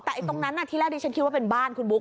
แต่ตรงนั้นที่แรกที่ฉันคิดว่าเป็นบ้านคุณบุ๊